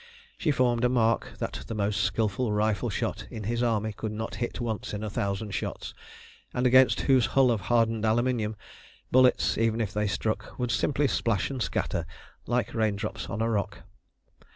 She formed a mark that the most skilful rifle shot in his army could not hit once in a thousand shots, and against whose hull of hardened aluminium, bullets, even if they struck, would simply splash and scatter, like raindrops on a rock.